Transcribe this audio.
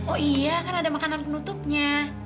oh iya kan ada makanan penutupnya